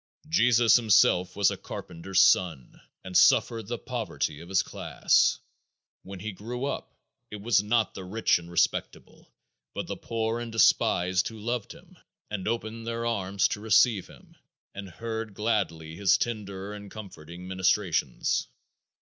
Jesus himself was a carpenter's son and suffered the poverty of his class and when he grew up it was not the rich and respectable, but the poor and despised who loved him, and opened their arms to receive him, and heard gladly his tender and comforting ministrations.